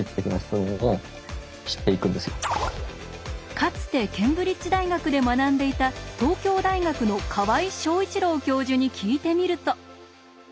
かつてケンブリッジ大学で学んでいた東京大学の河合祥一郎教授に聞いてみると。